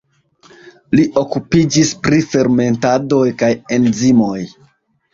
Li okupiĝis pri fermentadoj kaj enzimoj.